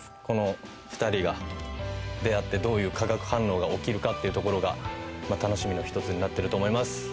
この２人が出会ってどういう化学反応が起きるかっていうところが楽しみの一つになってると思います